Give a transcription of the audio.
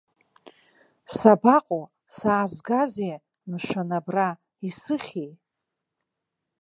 Сабаҟоу, саазгазеи, мшәан абра, исыхьи?!